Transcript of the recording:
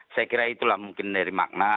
saya kira itulah mungkin dari makna